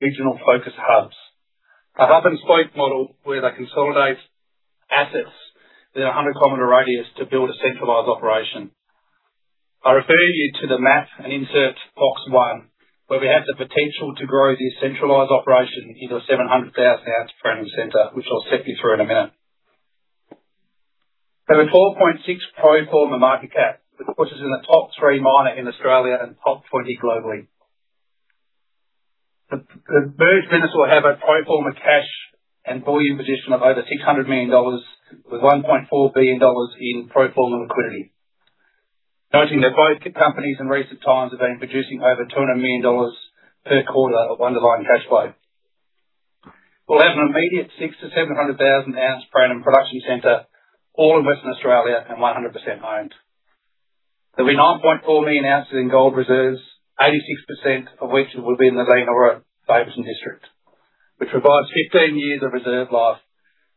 Regional focus hubs. A hub-and-spoke model where they consolidate assets in 100 km radius to build a centralized operation. I refer you to the map and insert box one, where we have the potential to grow this centralized operation into a 700,000 oz per annum center, which I'll take you through in a minute. A 12.6 pro forma market cap, which puts us in the top three miner in Australia and top 20 globally. The merged minerals will have a pro forma cash and bullion position of over 600 million dollars, with 1.4 billion dollars in pro forma liquidity. Noting that both companies in recent times have been producing over 200 million dollars per quarter of underlying cash flow. We'll have an immediate 600,000-700,000 oz per annum production center all in Western Australia and 100% owned. There'll be 9.4 million oz in gold reserves, 86% of which will be in the Leonora-Laverton District, which provides 15 years of reserve life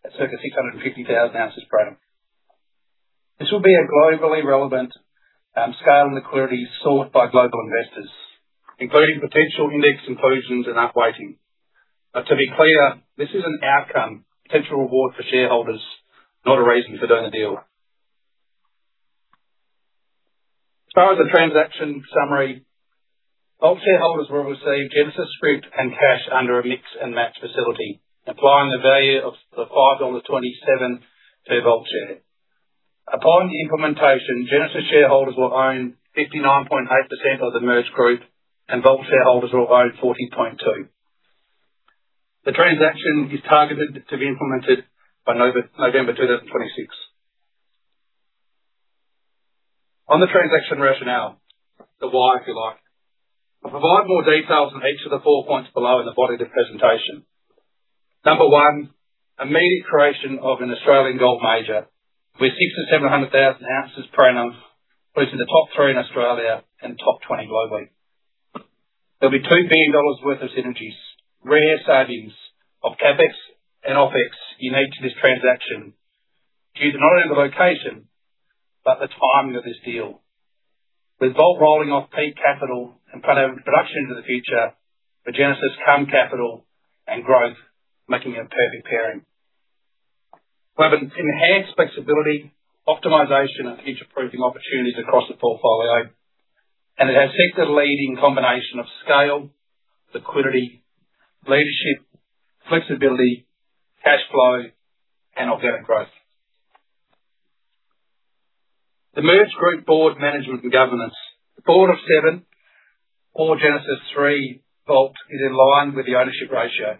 at circa 650,000 oz per annum. This will be a globally relevant scale and liquidity sought by global investors, including potential index inclusions and up weighting. To be clear, this is an outcome, potential reward for shareholders, not a reason for doing a deal. As far as the transaction summary, Vault shareholders will receive Genesis scrip and cash under a mix and match facility, applying the value of the 5.27 dollar to a Vault share. Upon implementation, Genesis shareholders will own 59.8% of the merged group, and Vault shareholders will own 40.2%. The transaction is targeted to be implemented by November 2026. On the transaction rationale, the why, if you like. I'll provide more details on each of the four points below in the body of the presentation. Number one, immediate creation of an Australian gold major with 600,000-700,000 oz per annum, puts us in the top three in Australia and top 20 globally. There'll be 2 billion dollars worth of synergies, rare savings of CapEx and OpEx unique to this transaction due to not only the location but the timing of this deal. With Vault rolling off peak capital and production into the future, the Genesis current capital and growth making it a perfect pairing. We'll have an enhanced flexibility, optimization, and future-proofing opportunities across the portfolio. It has sector-leading combination of scale, liquidity, leadership, flexibility, cash flow and organic growth. The merged group board management and governance. The board of seven, all Genesis three, Vault is in line with the ownership ratio.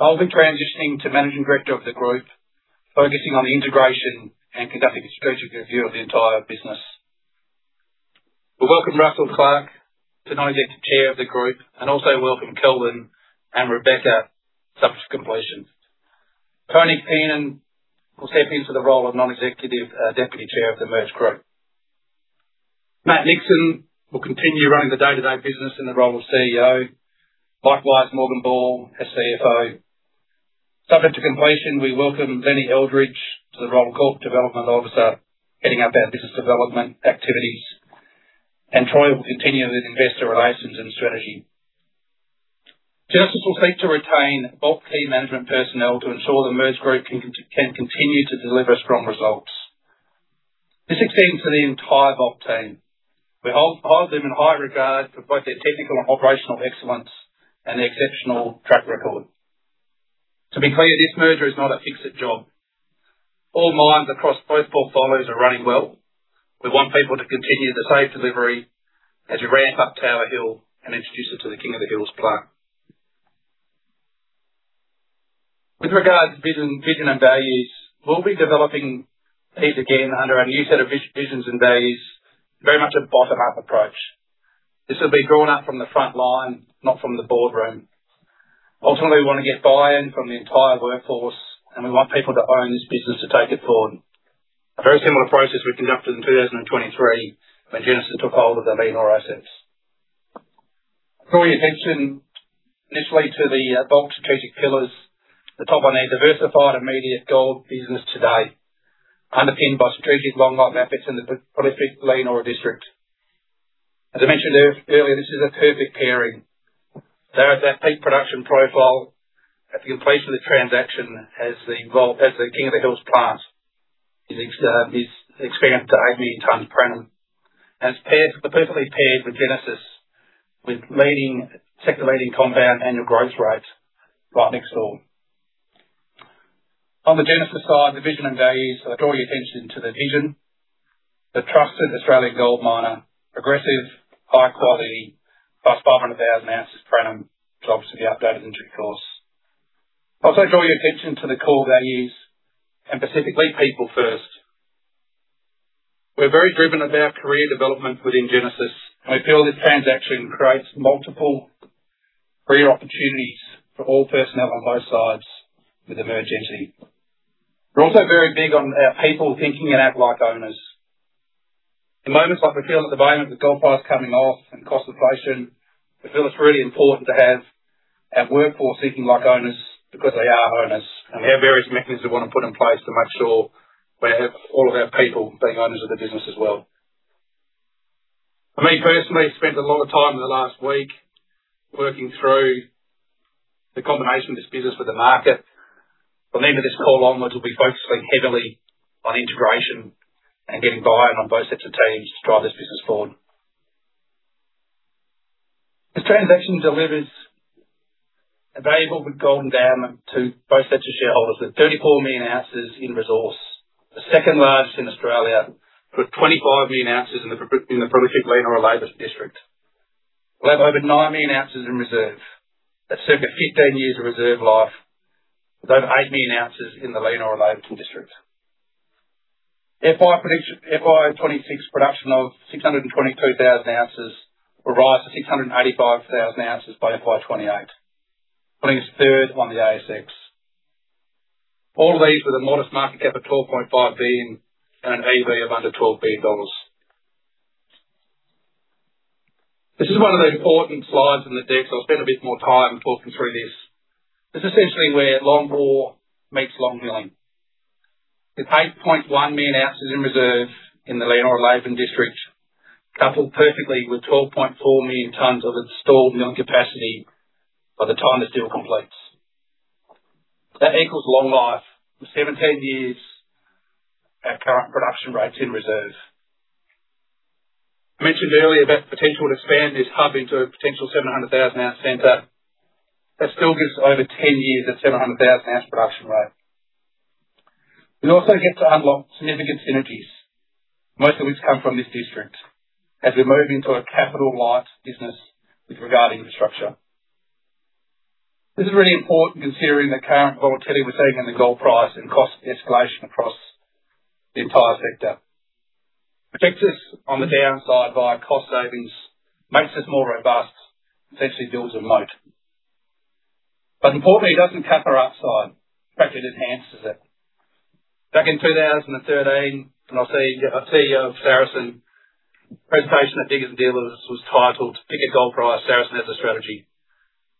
I'll be transitioning to Managing Director of the group, focusing on integration and conducting a strategic review of the entire business. We welcome Russell Clark to Non-Executive Chair of the group and also welcome Kelvin and Rebecca, subject to completion. Tony Kiernan will step into the role of Non-Executive Deputy Chair of the merged group. Matt Nixon will continue running the day-to-day business in the role of CEO. Likewise, Morgan Ball as CFO. Subject to completion, we welcome Len Eldridge to the role of Corporate Development Officer, heading up our business development activities, and Troy Irvin will continue with investor relations and strategy. Genesis will seek to retain Vault key management personnel to ensure the merged group can continue to deliver strong results. This extends to the entire Vault team. We hold them in high regard for both their technical and operational excellence and their exceptional track record. To be clear, this merger is not a fix-it job. All mines across both portfolios are running well. We want people to continue the safe delivery as we ramp up Tower Hill and introduce it to the King of the Hills plant. With regard to vision and values, we'll be developing these again under our new set of visions and values. Very much a bottom-up approach. This will be drawn up from the frontline, not from the boardroom. Ultimately, we want to get buy-in from the entire workforce, and we want people to own this business to take it forward. A very similar process we conducted in 2023 when Genesis took hold of the Leonora assets. Draw your attention initially to the Vault strategic pillars. The top one there, diversified immediate gold business today, underpinned by strategic long-life assets in the prolific Leonora District. As I mentioned earlier, this is a perfect pairing. They're at that peak production profile at the completion of the transaction as the King of the Hills plant is expanded to 80 million tons per annum. It's perfectly paired with Genesis, with sector-leading compound annual growth rates right next door. On the Genesis side, the vision and values. I draw your attention to the vision. The trusted Australian gold miner, aggressive, high quality, +500,000 oz per annum. That's obviously the updated entry cost. Also, draw your attention to the core values and specifically people first. We're very driven with our career development within Genesis, and we feel this transaction creates multiple career opportunities for all personnel on both sides with the merged entity. We're also very big on our people thinking and act like owners. In moments like we feel at the moment with gold price coming off and cost inflation, we feel it's really important to have our workforce thinking like owners because they are owners. We have various mechanisms we want to put in place to make sure we have all of our people being owners of the business as well. For me personally, I spent a lot of time in the last week working through the combination of this business with the market. From the end of this call onwards, we'll be focusing heavily on integration and getting buy-in on both sets of teams to drive this business forward. This transaction delivers a valuable gold endowment to both sets of shareholders, with 34 million oz in resource. The second largest in Australia, with 25 million oz in the prolific Leonora-Laverton District. We'll have over 9 million oz in reserve. That's circa 15 years of reserve life, with over 8 million oz in the Leonora-Laverton District. FY26 production of 622,000 oz will rise to 685,000 oz by FY28, putting us third on the ASX. All of these with a modest market cap of 12.5 billion and an EV of under 12 billion dollars. This is one of the important slides in the deck, so I'll spend a bit more time talking through this. This is essentially where long wall meets long milling. With 8.1 million oz in reserve in the Leonora-Laverton District, coupled perfectly with 12.4 million tons of installed milling capacity by the time this deal completes. That equals long life, with 17 years at current production rates in reserve. I mentioned earlier about the potential to expand this hub into a potential 700,000 oz center. That still gives over 10 years at 700,000 oz production rate. We also get to unlock significant synergies, most of which come from this district, as we move into a capital-light business with regard to infrastructure. This is really important considering the current volatility we're seeing in the gold price and cost escalation across the entire sector. Protects us on the downside via cost savings, makes us more robust, essentially builds a moat. Importantly, it doesn't cap our upside. In fact, it enhances it. Back in 2013, when our CEO of Saracen presentation at Diggers & Dealers was titled, "Pick a Gold Price, Saracen has a Strategy."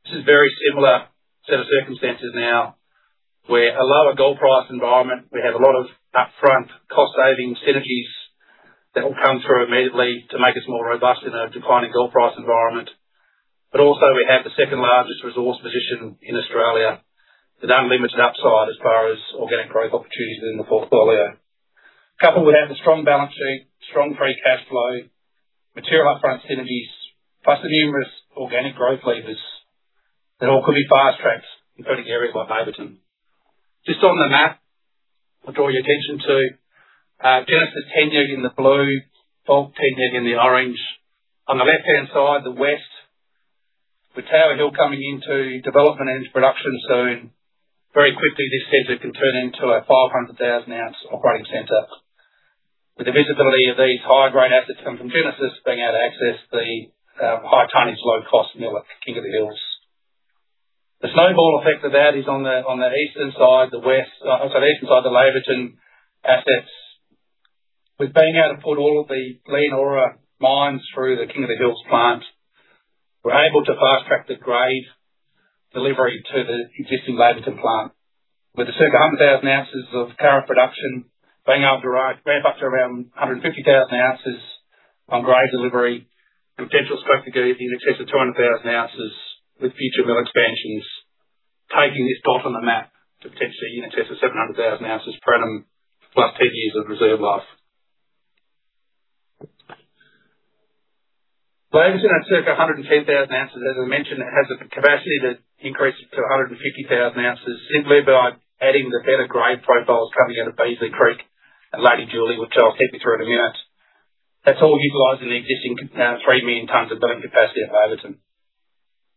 This is a very similar set of circumstances now, where a lower gold price environment, we have a lot of upfront cost-saving synergies that will come through immediately to make us more robust in a declining gold price environment. Also, we have the second-largest resource position in Australia, with unlimited upside as far as organic growth opportunities within the portfolio. Coupled with that, is a strong balance sheet, strong free cash flow, material upfront synergies, plus the numerous organic growth levers that all could be fast-tracked in productive areas like Laverton. Just on the map, I'll draw your attention to Genesis tenements in the blue, Vault tenements in the orange. On the left-hand side, the west, with Tower Hill coming into development and into production soon. Very quickly, this asset can turn into a 500,000 oz operating center. With the visibility of these high-grade assets coming from Genesis, being able to access the high tonnage, low-cost mill at King of the Hills. The snowball effect of that is on the eastern side, the eastern side, the Laverton assets. With being able to put all of the Leonora mines through the King of the Hills plant, we're able to fast-track the grade delivery to the existing Laverton plant. With the circa 100,000 oz of current production, being able to ramp up to around 150,000 oz on grade delivery and potential scope to get in excess of 200,000 oz with future mill expansions. Taking this dot on the map to potentially in excess of 700,000 oz per annum, +10 years of reserve life. Laverton at circa 110,000 oz, as I mentioned, has the capacity to increase it to 150,000 oz simply by adding the better grade profiles coming out of Beasley Creek and Lady Julie, which I'll take you through in a minute. That's all utilizing the existing 3 million tonnes of milling capacity at Laverton.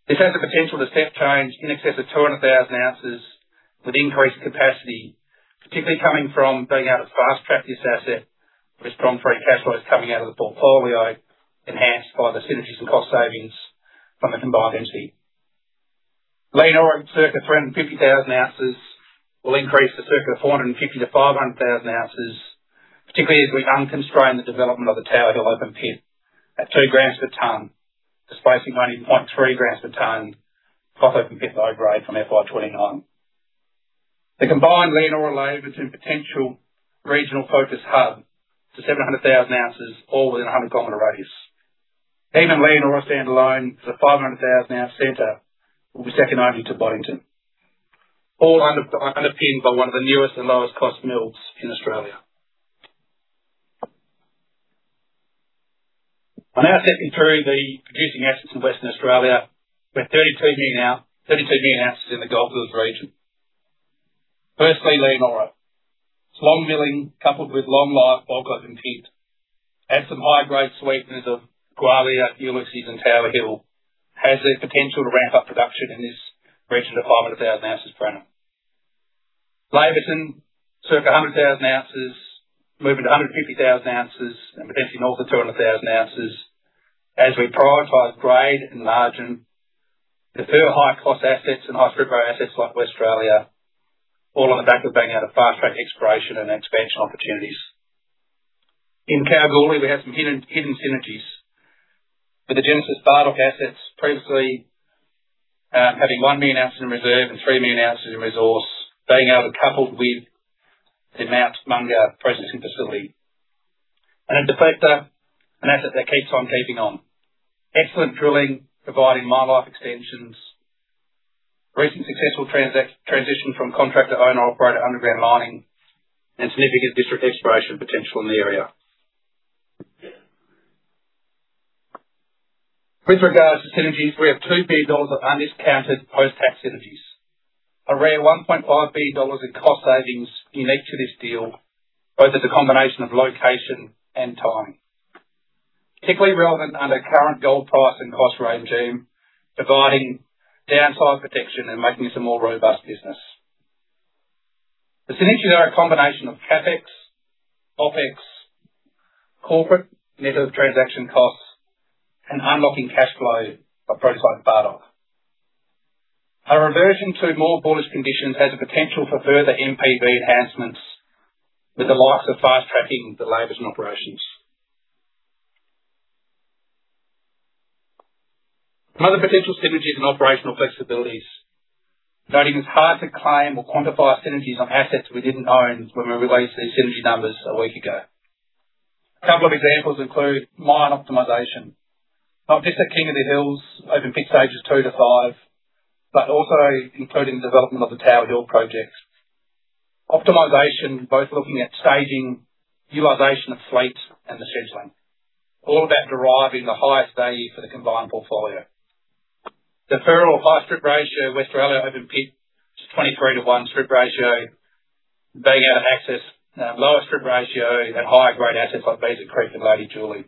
This has the potential to step change in excess of 200,000 oz with increased capacity, particularly coming from being able to fast-track this asset with strong free cash flows coming out of the portfolio, enhanced by the synergies and cost savings from the combined entity. Leonora, circa 350,000 oz, will increase to circa 450,000-500,000 oz, particularly as we unconstrain the development of the Tower Hill open pit at 2 g per tonne, displacing only 0.3 g per tonne cost open pit low grade from FY 2029. The combined Leonora-Laverton potential regional focus hub to 700,000 oz all within a 100 km radius. Even Leonora standalone is a 500,000 oz center, will be second only to Boddington. All underpinned by one of the newest and lowest cost mills in Australia. I now take you through the producing assets in Western Australia. We're 32 million oz in the Goldfields region. Firstly, Leonora. It's long milling coupled with long-life bulk open pit. As the high-grade sweeteners of Gwalia, Ulysses, and Tower Hill has the potential to ramp up production in this region to 500,000 oz per annum. Laverton, circa 100,000 oz, moving to 150,000 oz, and potentially north of 200,000 oz as we prioritize grade and margin, defer high-cost assets and high strip ratio assets like Westralia, all on the back of being able to fast-track exploration and expansion opportunities. In Kalgoorlie, we have some hidden synergies. With the Genesis Bardoc assets previously, having 1 million ozs in reserve and 3 million Being able to couple with the Mount Monger processing facility. In Deflector, an asset that keeps on keeping on. Excellent drilling, providing mine life extensions, recent successful transition from contractor to owner-operator underground mining, and significant district exploration potential in the area. With regards to synergies, we have 2 billion dollars of undiscounted post-tax synergies. A rare 1.5 billion dollars in cost savings unique to this deal, both as a combination of location and time. Particularly relevant under current gold price and cost regime, providing downside protection and making us a more robust business. The synergies are a combination of CapEx, OpEx, corporate metal transaction costs, and unlocking cash flow of projects like Bardoc. Our reversion to more bullish conditions has the potential for further NPV enhancements with the likes of fast-tracking the Laverton operations. Other potential synergies and operational flexibilities. Noting it's hard to claim or quantify synergies on assets we didn't own when we released these synergy numbers a week ago. A couple of examples include mine optimization, not just at King of the Hills open pit Stages two to five, but also including the development of the Tower Hill projects. Optimization, both looking at staging, utilization of fleet, and the scheduling. All of that deriving the highest value for the combined portfolio. Deferral of high strip ratio Westralia open pit, which is 23:1 strip ratio, being able to access lower strip ratio and higher grade assets like Beasley Creek and Lady Julie.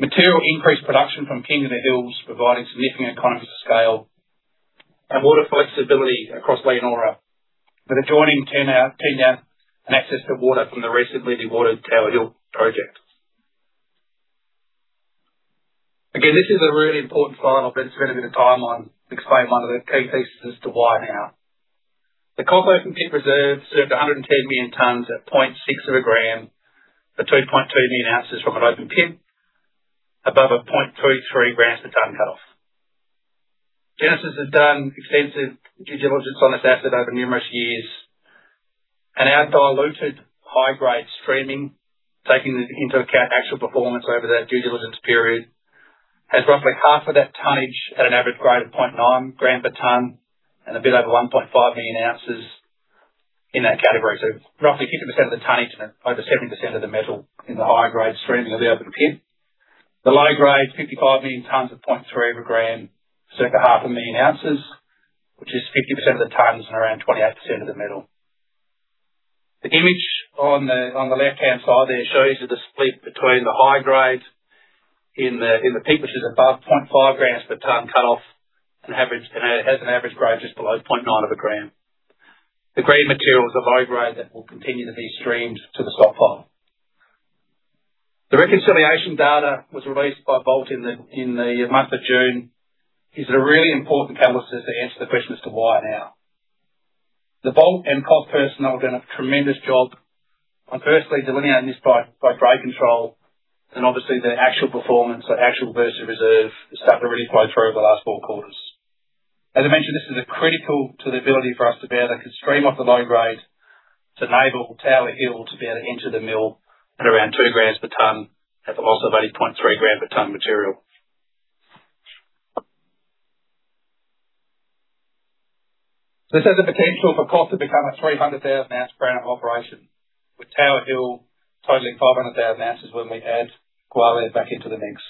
Material increased production from King of the Hills, providing significant economies of scale and water flexibility across Leonora, with adjoining tenure and access to water from the recently dewatered Tower Hill project. This is a really important slide, and I bet it's going to be the time I explain one of the key pieces as to why now. The KOTH open pit reserve served 110 million tonnes at 0.6 of a gram for 2.2 million oz from an open pit above a 0.23 g per tonne cut off. Genesis has done extensive due diligence on this asset over numerous years. Our diluted high-grade streaming, taking into account actual performance over that due diligence period, has roughly half of that tonnage at an average grade of 0.9 g per tonne and a bit over 1.5 million oz in that category. Roughly 50% of the tonnage and over 70% of the metal in the higher grade streaming of the open pit. The low grade is 55 million tonnes at 0.3 of a gram, circa 0.5 million oz, which is 50% of the tonnes and around 28% of the metal. The image on the left-hand side there shows you the split between the high grades in the peak, which is above 0.5 g per tonne cut off and has an average grade just below 0.9 of a gram. The green material is a low grade that will continue to be streamed to the stockpile. The reconciliation data was released by Vault in the month of June. These are really important catalysts to answer the question as to why now. The Vault and KOTH personnel have done a tremendous job on firstly delineating this by grade control and obviously the actual performance or actual versus reserve has started to really flow through over the last four quarters. As I mentioned, this is critical to the ability for us to be able to stream off the low grade to enable Tower Hill to be able to enter the mill at around 2 g per tonne at the loss of only 0.3 g per tonne material. This has the potential for KOTH to become a 300,000 oz per annum operation, with Tower Hill totaling 500,000 oz when we add Gwalia back into the mix.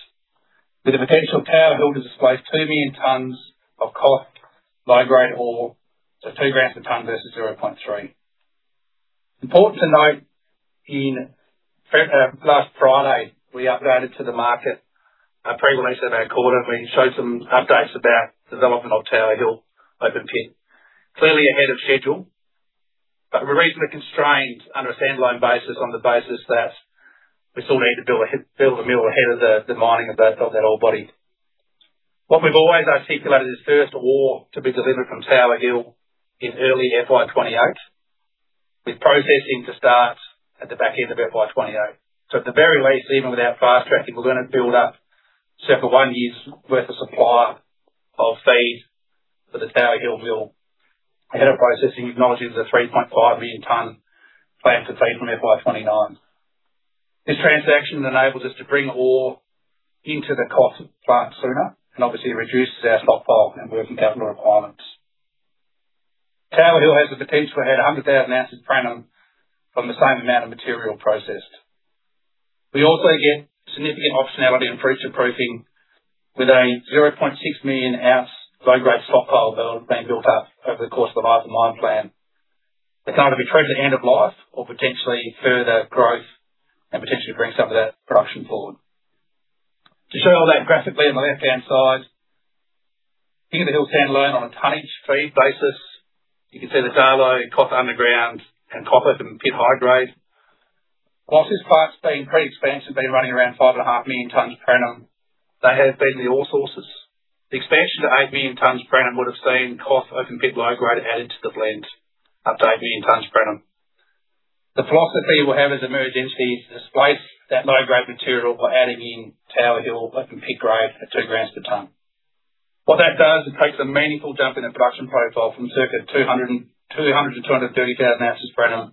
With the potential of Tower Hill to displace 2 million tonnes of KOTH, low-grade ore, so 2 g per tonne versus 0.3. Important to note, last Friday, we upgraded to the market a pre-release of our quarter. We showed some updates about development of Tower Hill open pit. Clearly ahead of schedule, but reasonably constrained under a stand-alone basis on the basis that we still need to build a mill ahead of the mining of that ore body. We've always articulated is first ore to be delivered from Tower Hill in early FY 2028, with processing to start at the back end of FY 2028. At the very least, even without fast-tracking, we're going to build up circa one year's worth of supply of feed for the Tower Hill mill ahead of processing, acknowledging there's a 3.5 million tonne planned for feed from FY 2029. This transaction enables us to bring ore into the KOTH plant sooner, and obviously reduces our stockpile and working capital requirements. Tower Hill has the potential to add 100,000 oz per annum from the same amount of material processed. We also get significant optionality and future proofing with a 0.6 million oz low-grade stockpile being built up over the course of the life of mine plan. That can either be treated end of life or potentially further growth and potentially bring some of that production forward. To show all that graphically on the left-hand side, KOTH stand-alone on a tonnage feed basis. You can see the Darlot, KOTH underground, and KOTH open pit high grade. Whilst this plant's been pre-expansion, been running around 5.5 million tonnes per annum, they have been the ore sources. The expansion to 8 million tonnes per annum would have seen KOTH open pit low grade added to the blend up to 8 million tonnes per annum. The philosophy we'll have as a merged entity is to displace that low-grade material by adding in Tower Hill open pit grade at 2 g per tonne. What that does, it takes a meaningful jump in the production profile from circa 200,000-230,000 oz per annum,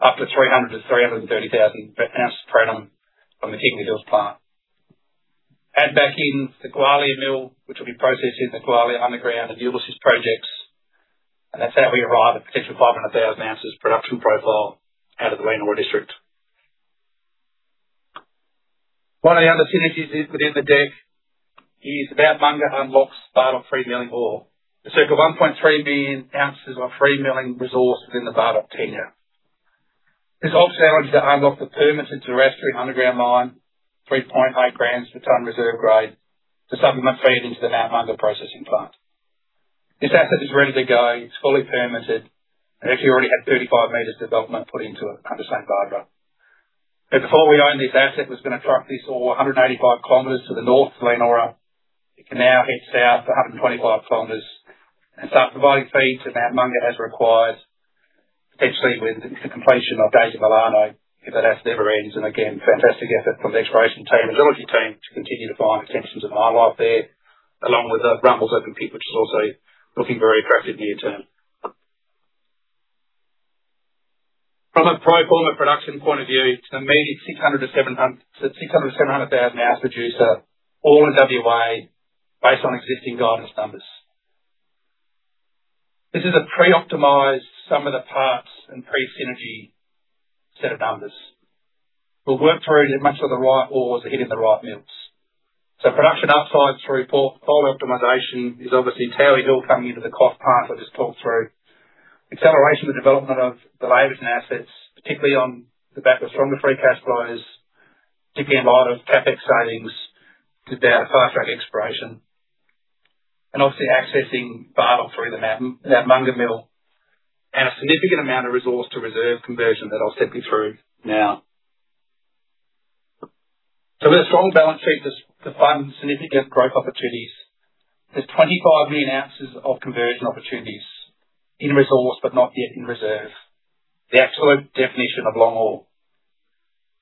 up to 300,000-330,000 ozper annum from the KOTH plant. Add back in the Gwalia mill, which will be processing the Gwalia underground and Ulysses projects, and that's how we arrive at potential 500,000 oz production profile out of the Leonora district. One of the other synergies within the deck is Mount Monger unlocks Bardoc free milling ore. The circa 1.3 billion oz of free milling resource within the Bardoc tenure. This also allows you to unlock the permits, it's terrestrial underground mine, 3.8 gs per tonne reserve grade to supplement feed into the Mount Monger processing plant. This asset is ready to go. It's fully permitted, actually already had 35 m of development put into it under St Barbara. Before we owned this asset, it was going to truck this ore 185 km to the north to Leonora. It can now head south 125 km and start providing feeds to Mount Monger as required, especially with the completion of Daisy Milano, if that asset ever ends. Again, fantastic effort from the exploration team, geology team to continue to find extensions of mine life there, along with the Rumblers open pit, which is also looking very attractive near-term. From a pro forma production point of view, it's an immediate 600,000-700,000 oz producer, all in WA based on existing guidance numbers. This is a pre-optimized sum of the parts and pre-synergy set of numbers. We'll work through to make sure the right ores are hitting the right mills. Production upsides through port portfolio optimization is obviously Tower Hill coming into the cost part I just talked through. Acceleration of development of the Laverton assets, particularly on the back of stronger free cash flows, particularly in light of CapEx savings to be able to fast-track exploration. Obviously accessing Bardoc through the Mount Monger mill and a significant amount of resource to reserve conversion that I'll step you through now. With a strong balance sheet to fund significant growth opportunities, there's 25 million oz of conversion opportunities in resource but not yet in reserve. The absolute definition of long haul.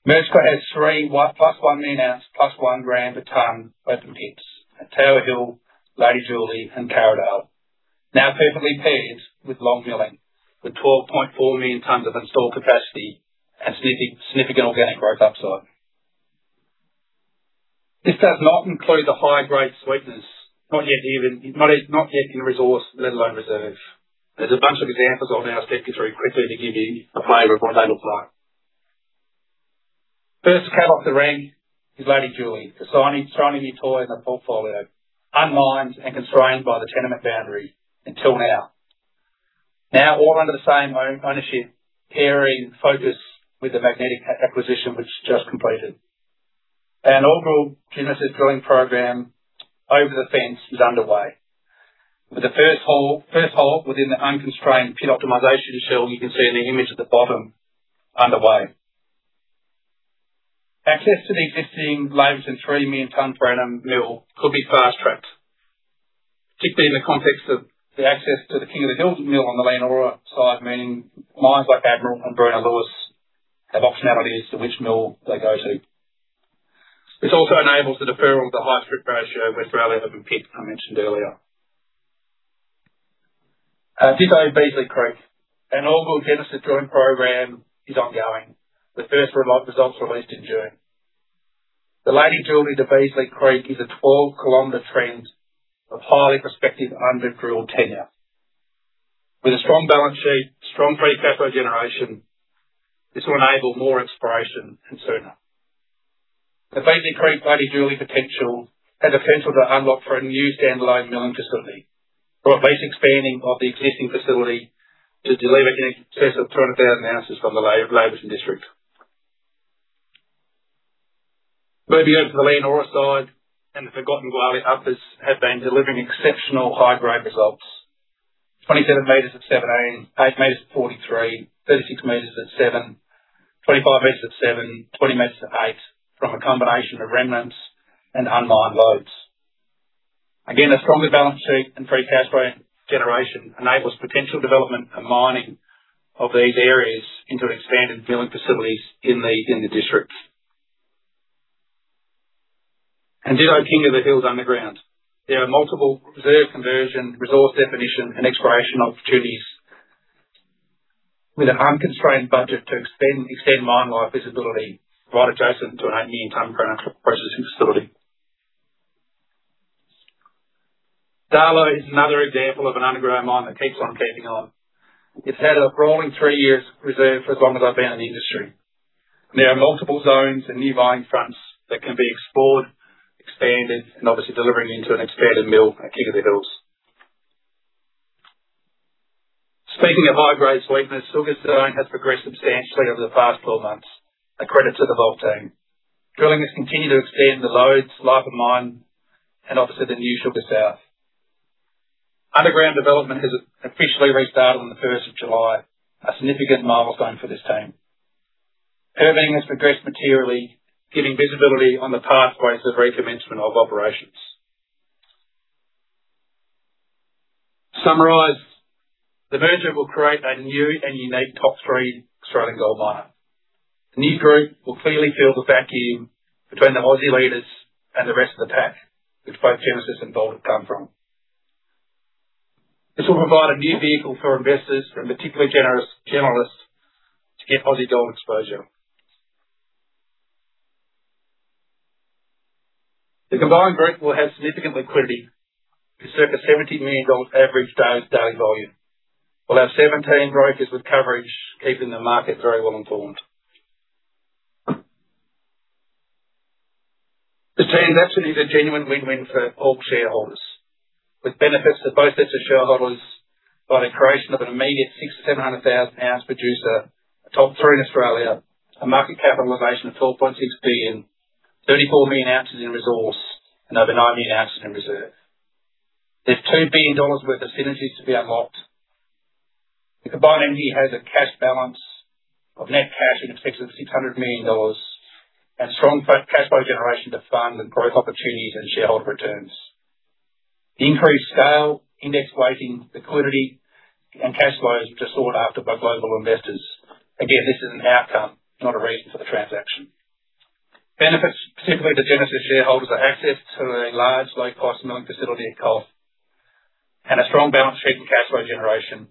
Murchison has three +1 million oz, +1 g per tonne open pits at Tower Hill, Lady Julie and Karridale. Perfectly paired with long milling, with 12.4 million tons of installed capacity and significant organic growth upside. This does not include the high-grade sweetness, not yet in resource, let alone reserve. There's a bunch of examples I'll now step you through quickly to give you a flavor of what they look like. First cat off the rank is Lady Julie, the shiny new toy in the portfolio, unmined and constrained by the tenement boundary until now. All under the same ownership, pairing Focus with the Magnetic Resources acquisition which just completed. An overall generous drilling program over the fence is underway. With the first hole within the unconstrained pit optimization shell, you can see in the image at the bottom, underway. Access to the existing Laverton 3 million ton per annum mill could be fast-tracked, particularly in the context of the access to the King of the Hills mill on the Leonora side, meaning mines like Admiral and Bruno-Lewis have optionalities to which mill they go to. This also enables the deferral of the high strip ratio Westralia open pit I mentioned earlier. At this zone, Beasley Creek, an overall generous drilling program is ongoing, with first results released in June. The Lady Julie to Beasley Creek is a 12 km trend of highly prospective under-drilled tenure. With a strong balance sheet, strong free cash flow generation, this will enable more exploration and sooner. The Beasley Creek/Lady Julie potential has the potential to unlock for a new standalone milling facility, or at least expanding of the existing facility to deliver in excess of 200,000 oz from the Laverton district. Moving over to the Leonora side, the forgotten Gwalia Uppers has been delivering exceptional high-grade results. 27 m at 17, 8 m at 43, 36 m at 7, 25 m at 7, 20 m at 8 from a combination of remnants and unmined lodes. Again, a strongly balanced sheet and free cash flow generation enables potential development and mining of these areas into expanded milling facilities in the district. The King of the Hills underground. There are multiple reserve conversion, resource definition, and exploration opportunities with an unconstrained budget to extend mine life visibility right adjacent to an 8 million ton per annum processing facility. Darlot is another example of an underground mine that keeps on keeping on. It's had a rolling three years reserve for as long as I've been in the industry. There are multiple zones and new mining fronts that can be explored, expanded, and obviously delivering into an expanded mill at King of the Hills. Speaking of high-grade sweetness, Sugar Zone has progressed substantially over the past 12 months, a credit to the whole team. Drilling has continued to extend the lodes, life of mine, and obviously the new Sugar South. Underground development has officially restarted on the 1st of July, a significant milestone for this team. Servicing has progressed materially, giving visibility on the pathways of recommencement of operations. To summarize, the merger will create a new and unique top three Australian gold miner. The new group will clearly fill the vacuum between the Aussie leaders and the rest of the pack, which both Genesis and Vault have come from. This will provide a new vehicle for investors and particularly generalists to get Aussie gold exposure. The combined group will have significant liquidity with circa 70 million dollar average daily volume. We will have 17 brokers with coverage, keeping the market very well-informed. This change is actually a genuine win-win for all shareholders, with benefits to both sets of shareholders by the creation of an immediate 600,000-700,000 oz producer, a top three in Australia, a market capitalization of 12.6 billion, 34 million oz in resource and over 9 million oz in reserve. There is 2 billion dollars worth of synergies to be unlocked. The combined entity has a cash balance of net cash in excess of 600 million dollars and strong cash flow generation to fund the growth opportunities and shareholder returns. The increased scale, index weighting, liquidity, and cash flows are sought after by global investors. Again, this is an outcome, not a reason for the transaction. Benefits specifically to Genesis shareholders are access to a large low-cost milling facility at cost and a strong balance sheet and cash flow generation.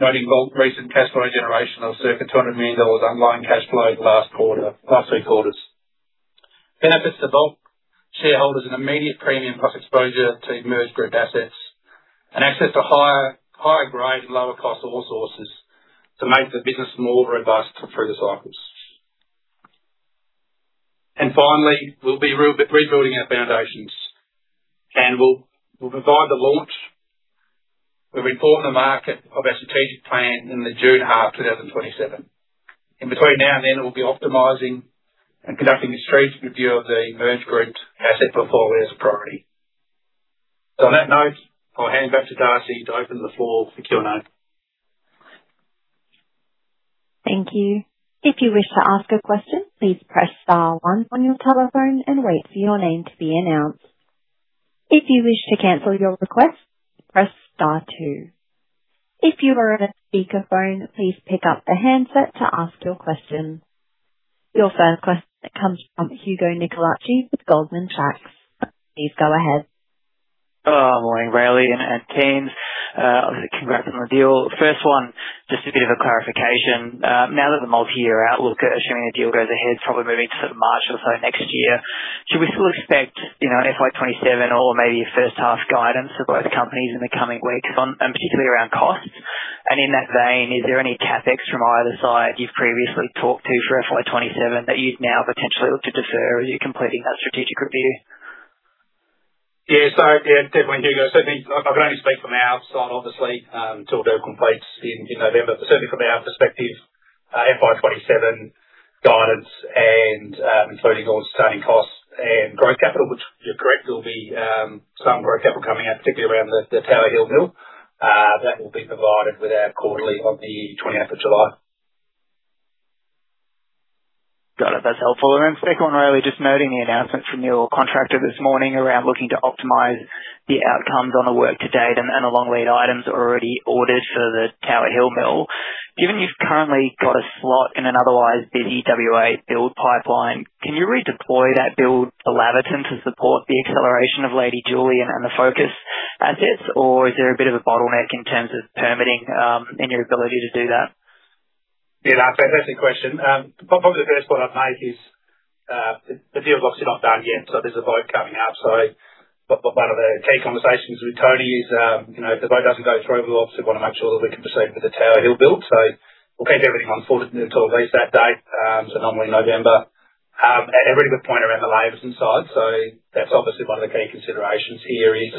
Noting recent cash flow generation of circa 200 million dollars underlying cash flow the last three quarters. Benefits to Vault shareholders, an immediate premium plus exposure to emerged group assets and access to higher grade and lower cost ore sources to make the business more robust through the cycles. Finally, we will be rebuilding our foundations, and we will provide the launch. We will report to the market of our strategic plan in the June half 2027. On that note, I will hand back to Darcy to open the floor for Q&A. Thank you. If you wish to ask a question, please press star one on your telephone and wait for your name to be announced. If you wish to cancel your request, press star two. If you are on a speakerphone, please pick up the handset to ask your question. Your first question comes from Hugo Nicolaci with Goldman Sachs. Please go ahead. Good morning, Raleigh and teams. Obviously, congrats on the deal. First one, just a bit of a clarification. Now that the multi-year outlook, assuming the deal goes ahead, probably moving to March or next year, should we still expect FY 2027 or maybe a first half guidance for both companies in the coming weeks on, and particularly around costs? In that vein, is there any CapEx from either side you've previously talked to for FY 2027 that you'd now potentially look to defer as you're completing that strategic review? Yeah. Definitely, Hugo. Certainly, I can only speak from our side, obviously, till the deal completes in November. Certainly, from our perspective, our FY 2027 guidance and including all sustaining costs and growth capital, which you're correct, there'll be some growth capital coming out, particularly around the Tower Hill mill, that will be provided with our quarterly on the 28th of July. Got it. That's helpful. Second one, Raleigh, just noting the announcement from your contractor this morning around looking to optimize the outcomes on the work to date and the long lead items already ordered for the Tower Hill mill. Given you've currently got a slot in an otherwise busy W.A. build pipeline, can you redeploy that build to Laverton to support the acceleration of Lady Julie and the Focus assets? Is there a bit of a bottleneck in terms of permitting, and your ability to do that? Yeah. Fantastic question. Probably the first point I'd make is the deal obviously is not done yet, there's a vote coming up. One of the key conversations with Tony is, if the vote doesn't go through, we obviously want to make sure that we can proceed with the Tower Hill build. We'll keep everything on foot until at least that date, normally November. A really good point around the Laverton side. That's obviously one of the key considerations here is,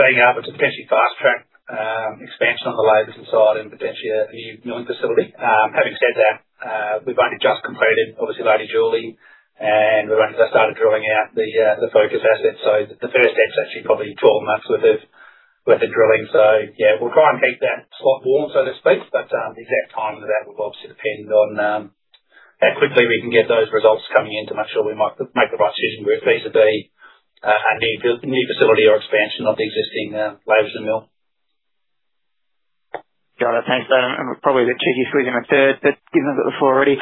being able to potentially fast-track expansion on the Laverton side and potentially a new milling facility. Having said that, we've only just completed, obviously, Lady Julie, and we've only just started drilling out the Focus assets. The first step's actually probably 12 months worth of drilling. Yeah, we'll try and keep that slot warm, so to speak, but the exact timing of that will obviously depend on how quickly we can get those results coming in to make sure we make the right decision with feasibility, a new facility or expansion of the existing Laverton mill. Got it. Thanks. Probably a bit cheeky, squeezing a third, given that Vault already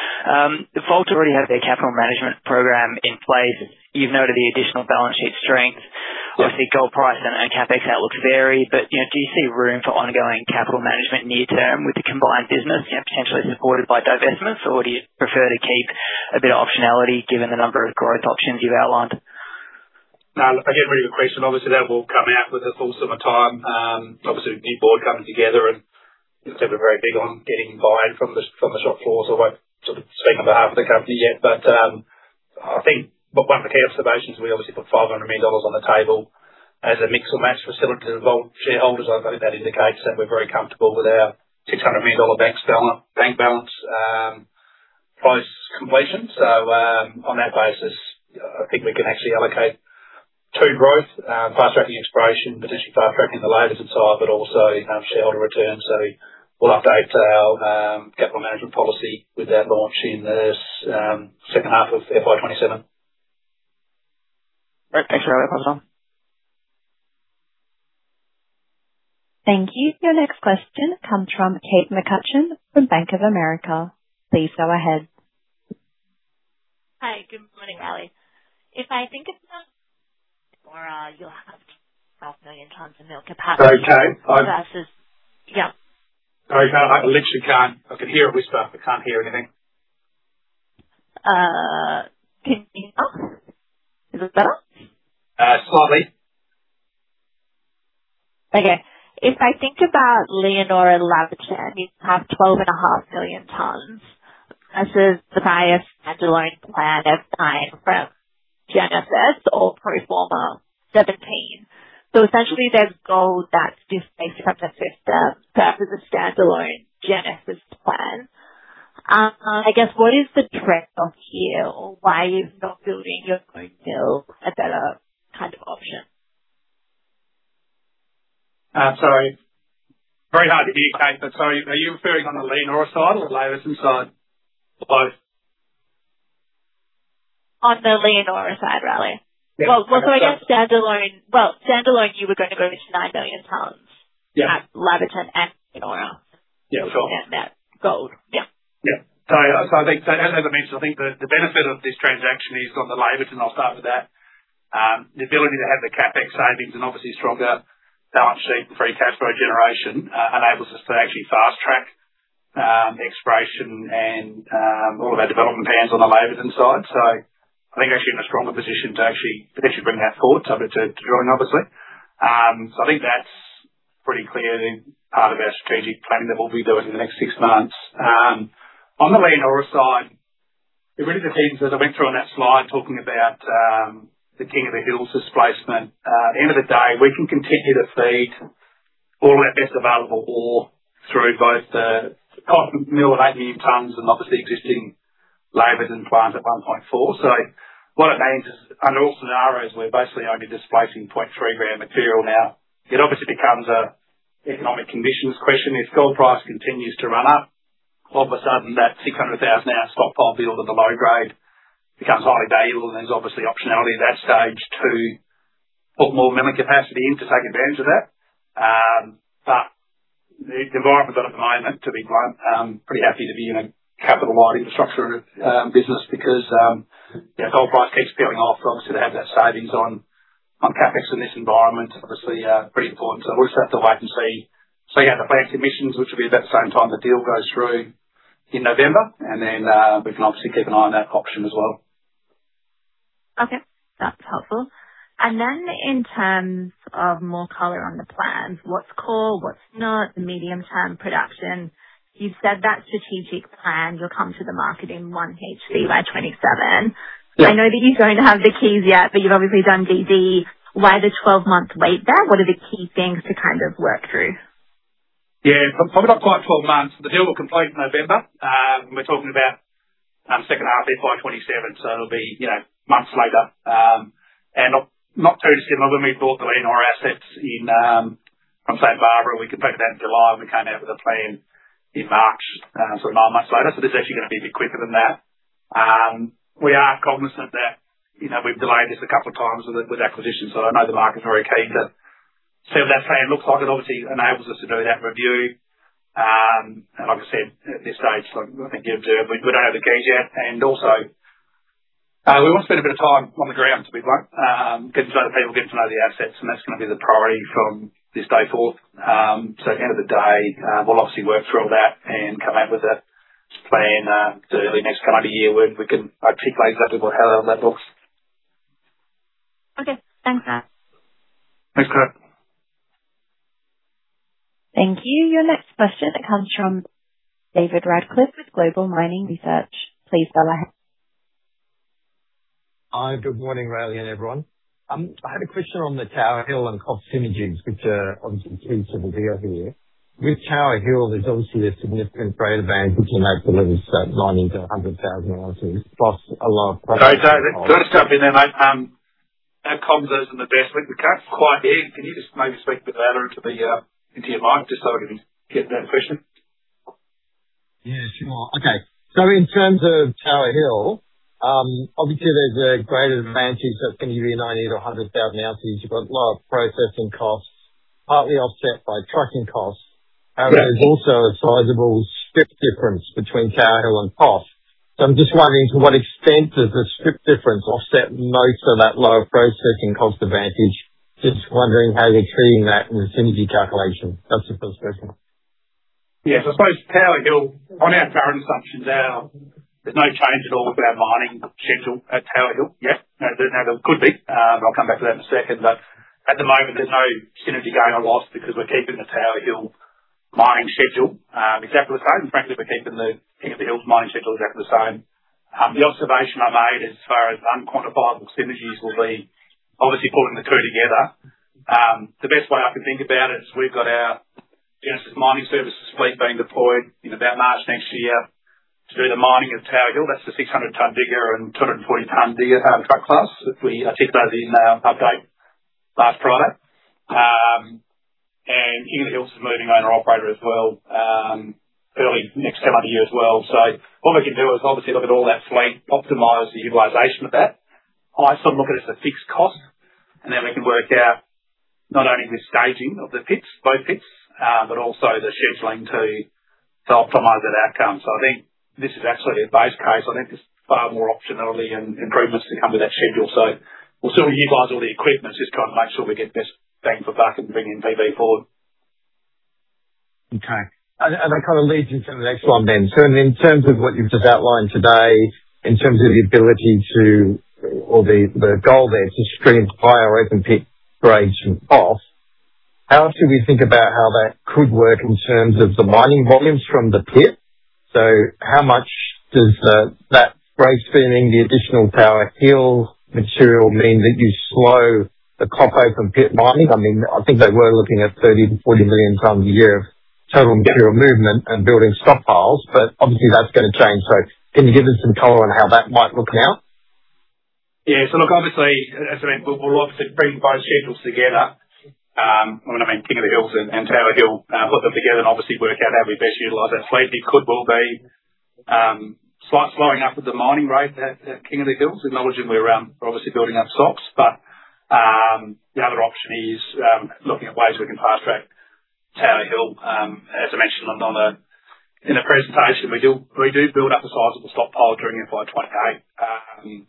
have their capital management program in place. You've noted the additional balance sheet strengths. Obviously, gold price and CapEx outlooks vary, but do you see room for ongoing capital management near-term with the combined business, potentially supported by divestments? Do you prefer to keep a bit of optionality given the number of growth options you've outlined? Again, really good question. Obviously, that will come out with the full summary. Obviously, with the new board coming together, and as I said, we're very big on getting buy-in from the shop floor, so I sort of speak on behalf of the company yet. I think one of the key observations, we obviously put 500 million dollars on the table as a mix and match facility to Vault shareholders. I think that indicates that we're very comfortable with our 600 million dollar bank balance post-completion. On that basis, I think we can actually allocate to growth, fast-tracking exploration, potentially fast-tracking the Laverton side, but also shareholder returns. We'll update our capital management policy with that launch in the second half of FY 2027. Great. Thanks, Raleigh Finlayson. Thank you. Your next question comes from Kate McCutcheon from Bank of America. Please go ahead. Hi, good morning, Raleigh. If I think about you'll have half a million tons of mill capacity. Okay. Yeah. Sorry, Kate, I literally can't. I can hear a whisper. I can't hear anything. Can you hear me now? Is it better? Slightly. Okay. If I think about Leonora and Laverton, you have 12.5 million tons. That's the highest standalone plan ever seen from Genesis or pro forma, 17 million tons. Essentially, there's gold that's displaced from the system. That was a standalone Genesis plan. I guess what is the trade-off here? Why is not building your own mill a better kind of option? I'm sorry. Very hard to hear you, Kate, sorry, are you referring on the Leonora side or Laverton side? Or both? On the Leonora side, Raleigh. Yeah. Well, what's our standalone? Well, standalone, you were going to go to 9 million tons. Yeah. At Laverton and Leonora. Yeah, sure. That gold. Yeah. Yeah. As I mentioned, I think the benefit of this transaction is on the Laverton, I'll start with that. The ability to have the CapEx savings and obviously stronger balance sheet, free cash flow generation enables us to actually fast-track exploration and all of our development plans on the Laverton side. I think we're actually in a stronger position to actually potentially bring that forward subject to drawing, obviously. I think that's pretty clearly part of our strategic plan that we'll be doing in the next six months. On the Leonora side, it really depends, as I went through on that slide talking about the King of the Hills displacement. At the end of the day, we can continue to feed all of our best available ore through both the KOTH mill at 8 million tons and obviously existing Laverton plant at 1.4 million tons. What it means is, under all scenarios, we're basically only displacing 0.3 g material now. It obviously becomes an economic conditions question. If gold price continues to run up, all of a sudden, that 600,000 oz stockpile build of the low grade becomes highly valuable, and there's obviously optionality at that stage to put more milling capacity in to take advantage of that. But the environment we've got at the moment, to be blunt, I'm pretty happy to be in a capital light infrastructure business because if gold price keeps peeling off, obviously to have that savings on CapEx in this environment, obviously pretty important. We'll just have to wait and see. Yeah, the bank's emissions, which will be about the same time the deal goes through in November, and then we can obviously keep an eye on that option as well. Okay, that's helpful. Then in terms of more color on the plans, what's core, what's not, the medium-term production. You've said that strategic plan will come to the market in 1H FY 2027. Yeah. I know that you don't have the keys yet, you've obviously done DD. Why the 12-month wait there? What are the key things to kind of work through? Probably not quite 12 months. The deal will complete in November. We're talking about second half FY 2027, so it'll be months later. Not too dissimilar when we bought the Leonora assets from St Barbara, we completed that in July, we came out with a plan in March, so nine months later. This is actually going to be a bit quicker than that. We are cognizant that we've delayed this a couple of times with acquisitions. I know the market is very keen to see what that plan looks like. It obviously enables us to do that review. Like I said, at this stage, like I think you observed, we don't have the keys yet. Also, we want to spend a bit of time on the ground, to be blunt, getting to know the people, getting to know the assets, that's going to be the priority from this day forth. At the end of the day, we'll obviously work through all that come out with a plan early next calendar year where we can articulate exactly what that looks like. Okay. Thanks, Raleigh. Thanks, Kate. Thank you. Your next question comes from David Radclyffe with Global Mining Research. Please go ahead. Hi, good morning, Raleigh, and everyone. I had a question on the Tower Hill and cost synergies, which are obviously key to the deal here. With Tower Hill, there's obviously a significant grade advantage, you know, delivering 90,000-100,000 oz plus a lot of- Sorry, David. Can I just jump in there, mate? Our comms aren't the best. We can't quite hear you. Can you just maybe speak a bit louder into your mic just so we can get that question? Yeah, sure. Okay. In terms of Tower Hill, obviously there's a greater advantage that's going to be 90,000-100,000 oz. You've got a lot of processing costs partly offset by trucking costs. Yeah. There's also a sizable strip difference between Tower Hill and KOTH. I'm just wondering to what extent does the strip difference offset most of that lower processing cost advantage? Just wondering how you're treating that in the synergy calculation. That's the first question. Yeah. I suppose Tower Hill, on our current assumptions, there's no change at all with our mining schedule at Tower Hill yet. Now, there could be. I'll come back to that in a second, but at the moment, there's no synergy gain or loss because we're keeping the Tower Hill mining schedule exactly the same. Frankly, we're keeping the King of the Hills mining schedule exactly the same. The observation I made as far as unquantifiable synergies will be obviously pulling the two together. The best way I can think about it is we've got our Genesis Mining Services fleet being deployed in about March next year to do the mining at Tower Hill. That's the 600 ton digger and 240 ton digger truck class that we ticked over the update last Friday. As well, early next calendar year as well. What we can do is obviously look at all that fleet, optimize the utilization of that. I still look at it as a fixed cost, then we can work out not only the staging of the pits, both pits, but also the scheduling to optimize that outcome. I think this is actually a base case. I think there's far more optionality and improvements to come with that schedule. We'll certainly utilize all the equipment. Just trying to make sure we get the best bang for buck and bringing PV forward. That kind of leads into the next one then. In terms of what you've just outlined today, in terms of the ability to, or the goal there, to stream higher open pit grades from off, how should we think about how that could work in terms of the mining volumes from the pit? How much does that grade streaming the additional Tower Hill material mean that you slow the KOTH open pit mining? I think they were looking at 30 million-40 million tons a year of total material movement and building stockpiles, but obviously that's going to change. Can you give us some color on how that might look now? Look, obviously, as we'll obviously bring both schedules together. When I mean King of the Hills and Tower Hill, put them together and obviously work out how we best utilize that fleet. It could well be slight slowing up of the mining rate at King of the Hills, acknowledging we're obviously building up stocks. The other option is looking at ways we can fast-track Tower Hill. As I mentioned in the presentation, we do build up the size of the stockpile during FY 2028. At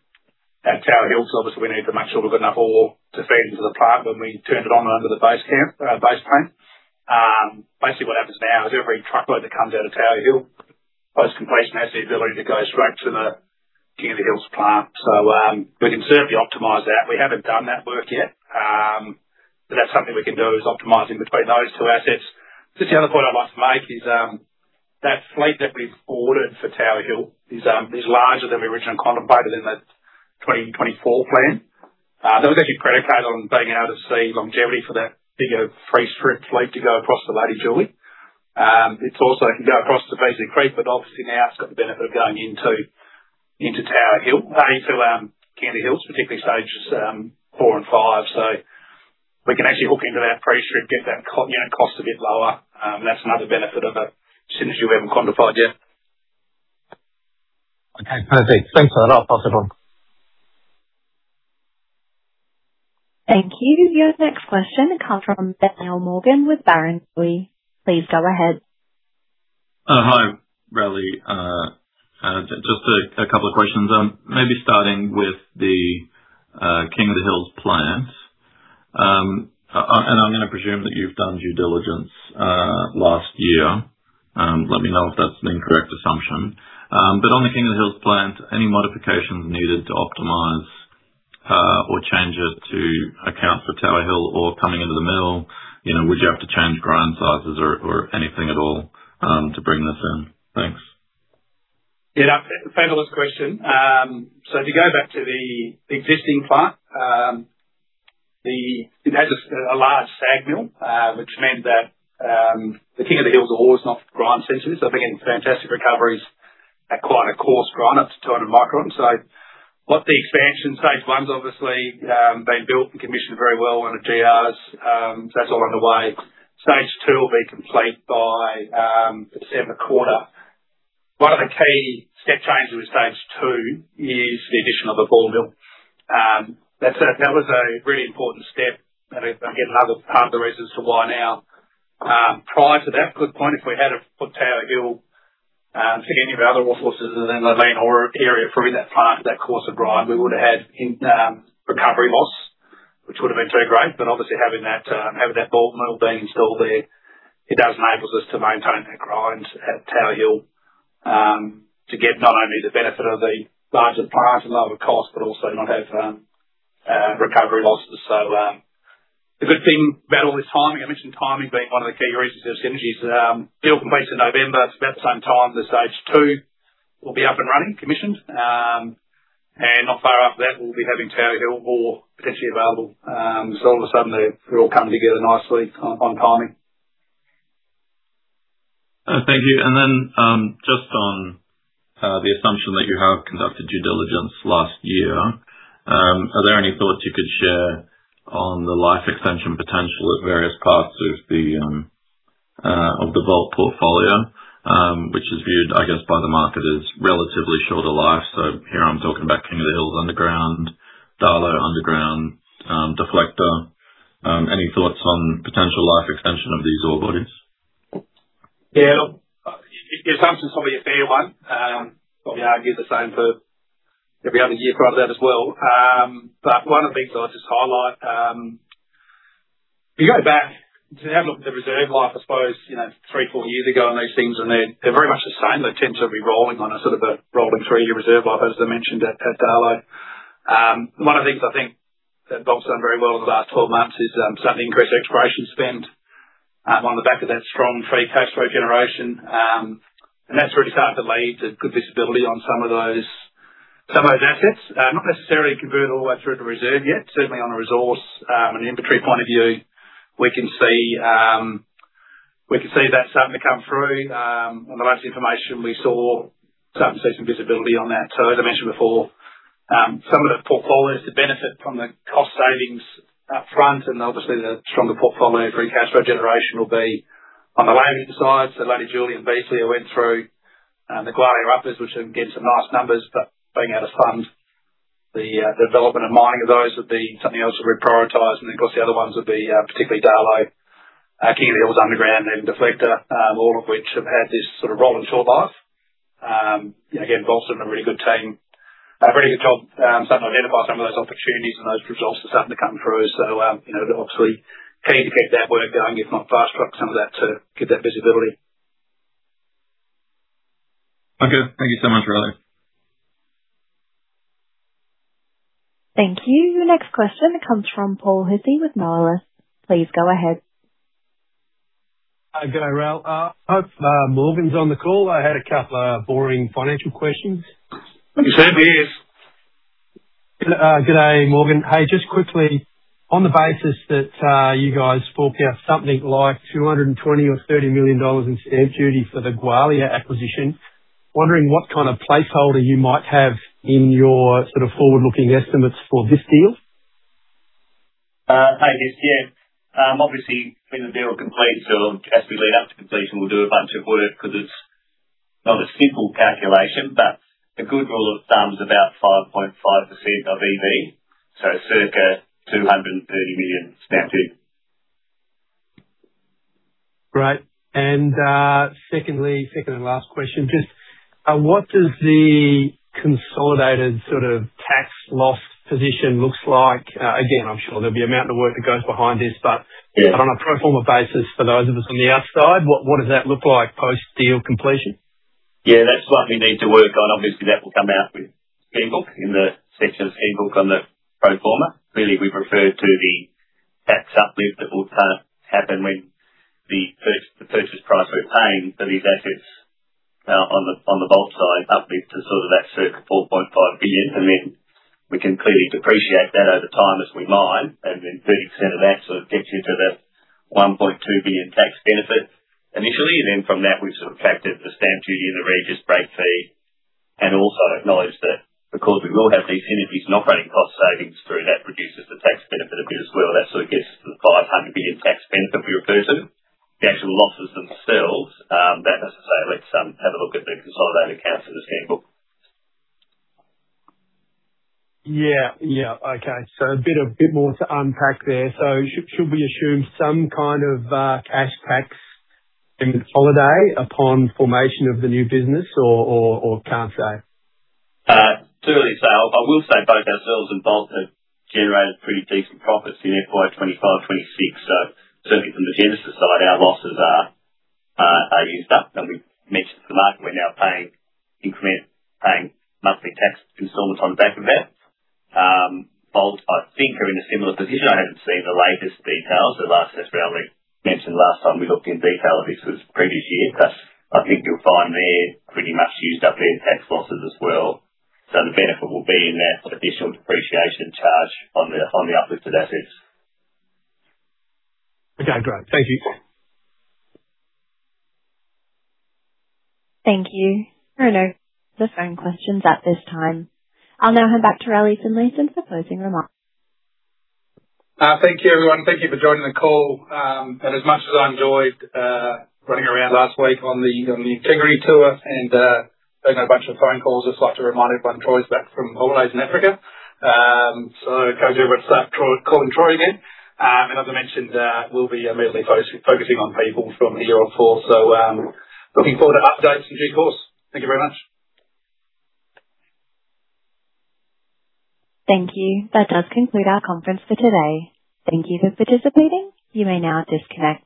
Tower Hill, obviously, we need to make sure we've got enough ore to feed into the plant when we turned it on under the base case base plant. Basically, what happens now is every truckload that comes out of Tower Hill, post completion, has the ability to go straight to the King of the Hills plant. We can certainly optimize that. We haven't done that work yet. That's something we can do, is optimizing between those two assets. Just the other point I'd like to make is that fleet that we've ordered for Tower Hill is larger than we originally contemplated in that 2024 plan. That was actually predicated on being able to see longevity for that bigger pre-strip fleet to go across to Lady Julie. It also can go across to Beasley Creek, but obviously now it's got the benefit of going into Tower Hill. Sorry, to King of the Hills, particularly Stages four and five. We can actually hook into that pre-strip, get that cost a bit lower. That's another benefit of a synergy we haven't quantified yet. Okay, perfect. Thanks for that. I'll pass it on. Thank you. Your next question comes from Ben Allen-Morgan with Barrenjoey. Please go ahead. Hi, Raleigh. Just a couple of questions. Maybe starting with the King of the Hills plant. I'm going to presume that you've done due diligence last year. Let me know if that's an incorrect assumption. On the King of the Hills plant, any modifications needed to optimize or change it to account for Tower Hill ore coming into the mill? Would you have to change grind sizes or anything at all, to bring this in? Thanks. Yeah. Fabulous question. If you go back to the existing plant, it has a large SAG mill, which meant that the King of the Hills ore is not grind centric. Again, fantastic recoveries at quite a coarse grind, up to 200 microns. What the expansion, Stage one's obviously been built and commissioned very well one of GRs, that's all underway. Stage two will be complete by December quarter. One of the key step changes with Stage two is the addition of a ball mill. That was a really important step, and again, another part of the reasons for why now. Prior to that good point, if we had to put Tower Hill to any of our other ore sources in the main ore area through that plant, that coarser grind, we would have had recovery loss, which would have been too great. Having that ball mill being installed there, it does enable us to maintain that grind at Tower Hill, to get not only the benefit of the larger plant and lower cost, but also not have recovery losses. The good thing about all this timing, I mentioned timing being one of the key reasons there's synergies. The deal completes in November. It's about the same time that Stage two will be up and running, commissioned. Not far after that, we'll be having Tower Hill ore potentially available. All of a sudden, they all come together nicely on timing. Thank you. Then, just on the assumption that you have conducted due diligence last year, are there any thoughts you could share on the life extension potential at various parts of the Vault portfolio, which is viewed, I guess, by the market as relatively shorter life? Here I'm talking about King of the Hills underground, Darlot underground, Deflector. Any thoughts on potential life extension of these ore bodies? Yeah. The assumption's probably a fair one. Probably argue the same for every other gear throughout that as well. One of the things that I'll just highlight, if you go back to have a look at the reserve life, I suppose, three, four years ago on these things, and they're very much the same. They tend to be rolling on a sort of a rolling three-year reserve life, as I mentioned at Darlot. One of the things I think that Bob's done very well in the last 12 months is certainly increase exploration spend on the back of that strong free cash flow generation. That's really started to lead to good visibility on some of those assets. Not necessarily converted all the way through to reserve yet. Certainly, on a resource, and inventory point of view, we can see that starting to come through. On the last information we saw, starting to see some visibility on that. As I mentioned before. Some of the portfolios to benefit from the cost savings up front, obviously the stronger portfolio free cash flow generation will be on the Leonora side. Lady Julie and Beasley Creek went through, the Gwalia Uppers, which have given some nice numbers, being able to fund the development and mining of those would be something else that we prioritize. Then of course, the other ones would be, particularly Darlot, KOTH underground and Deflector, all of which have had this sort of rolling short life. Again, Vault's done a really good job starting to identify some of those opportunities and those results are starting to come through. Obviously keen to keep that work going, if not fast-track some of that to get that visibility. Okay. Thank you so much, Raleigh. Thank you. Next question comes from Paul [Hookey] with Moelis. Please go ahead. Hi. Good day, Raleigh. I hope Morgan's on the call. I had a couple of boring financial questions. He certainly is. Good day, Morgan. Hey, just quickly, on the basis that you guys fork out something like 220 million dollars or AUD 230 million in stamp duty for the Gwalia acquisition, wondering what kind of placeholder you might have in your sort of forward-looking estimates for this deal? Hey, yes. Yeah. Obviously, when the deal completes or as we lead up to completion, we will do a bunch of work because it is not a simple calculation. A good rule of thumb is about 5.5% of EV, so circa 230 million stamp duty. Right. Secondly, second and last question, just what does the consolidated sort of tax loss position looks like? Again, I am sure there will be a mountain of work that goes behind this. Yeah. On a pro forma basis for those of us on the outside, what does that look like post-deal completion? Yeah, that's what we need to work on. Obviously, that will come out with end book, in the section of end book on the pro forma. Really, we've referred to the tax uplift that will happen when the purchase price we're paying for these assets on the Vault side uplift to sort of that circa 4.5 billion. Then we can clearly depreciate that over time as we mine. Then 30% of that sort of gets you to that 1.2 billion tax benefit initially. Then from that, we've sort of factored the stamp duty and the Regis break fee and also acknowledged that because we will have these synergies and operating cost savings through, that reduces the tax benefit a bit as well. That sort of gets to the 500 million tax benefit we refer to. The actual losses themselves, let's have a look at the consolidated accounts for the same book. Yeah. Okay. A bit more to unpack there. Should we assume some kind of cash tax holiday upon formation of the new business or can't say? It's early sale. I will say both ourselves and Vault have generated pretty decent profits in FY 2025, 2026. Certainly from the Genesis side, our losses are used up. As we mentioned to the market, we're now paying monthly tax installments on the back of it. Vault, I think, are in a similar position. I haven't seen the latest details. The last I probably mentioned last time we looked in detail at this was previous year, but I think you'll find they're pretty much used up their tax losses as well. The benefit will be in that additional depreciation charge on the uplifted assets. Okay, great. Thank you. Thank you. There are no further phone questions at this time. I'll now hand back to Raleigh Finlayson for closing remarks. Thank you, everyone. Thank you for joining the call. As much as I enjoyed running around last week on the integrity tour and taking a bunch of phone calls, just like to remind everyone, Troy's back from holidays in Africa. Can we all start calling Troy again? As I mentioned, we'll be immediately focusing on people from here on forth. Looking forward to updates in due course. Thank you very much. Thank you. That does conclude our conference for today. Thank you for participating. You may now disconnect.